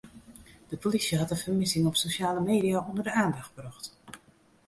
De polysje hat de fermissing op sosjale media ûnder de oandacht brocht.